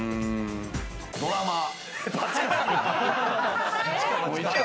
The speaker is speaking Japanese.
ドラマー。